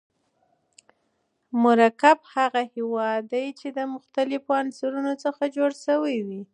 مرکب هغه مواد دي چي د مختليفو عنصرونو څخه جوړ سوی وي.